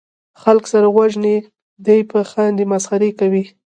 خلک سره وژني دي پې خاندي مسخرې کوي